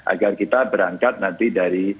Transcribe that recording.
agar kita berangkat nanti dari